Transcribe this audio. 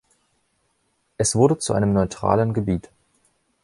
Es wurde zu einem neutralen Gebiet.